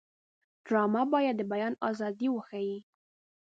ډرامه باید د بیان ازادي وښيي